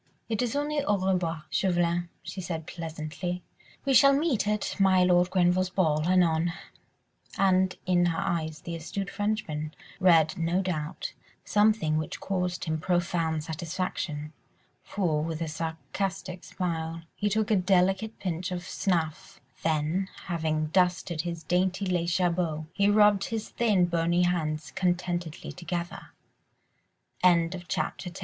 "It is only au revoir, Chauvelin," she said pleasantly, "we shall meet at my Lord Grenville's ball, anon." And in her eyes the astute Frenchman read, no doubt, something which caused him profound satisfaction, for, with a sarcastic smile, he took a delicate pinch of snuff, then, having dusted his dainty lace jabot, he rubbed his thin, bony hands contentedly together.